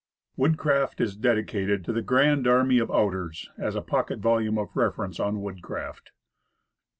WOODCRAFT" is dedicated to the Grand Army of "Outers," as a pocket volume of reference on woodcraft.